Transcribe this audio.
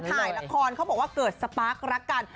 ถ่ายละครเขาบอกว่าเกิดสปาร์ครักกัน